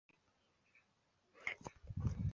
信息框是由于收集展现文档等主题的资讯子集。